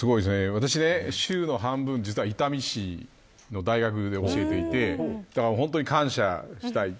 私、週の半分伊丹市の大学で教えていて本当に感謝したい。